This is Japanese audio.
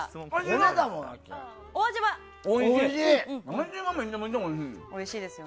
おいしい！